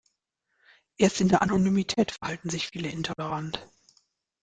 Erst in der Anonymität verhalten sich viele intolerant.